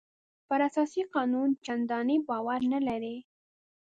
پر اساسي قانون چندانې باور نه لري.